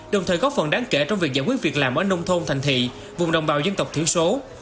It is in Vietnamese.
đồng thời góp phần đáng kể trong việc giải quyết việc làm ở nông thôn thành thị vùng đồng bào dân tộc thiểu số